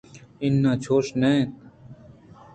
اِناں چوش نہ اِنت